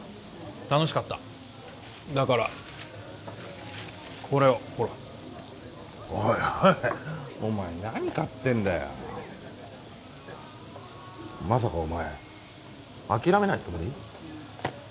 楽しかっただからこれをおいおいお前何買ってんだよまさかお前諦めないつもり？